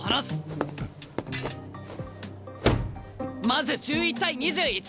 まず１１対２１。